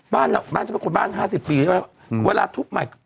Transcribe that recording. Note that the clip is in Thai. บ้านเราบ้านจะเป็นคนบ้าน๕๐ปีแล้วเวลาทุกใหม่